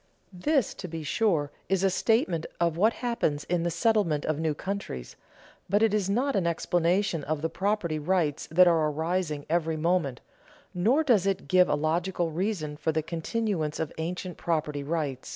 This, to be sure, is a statement of what happens in the settlement of new countries, but it is not an explanation of the property rights that are arising every moment, nor does it give a logical reason for the continuance of ancient property rights.